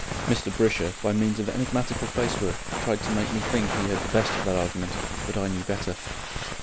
Mr. Brisher, by means of enigmatical facework, tried to make me think he had had the best of that argument, but I knew better.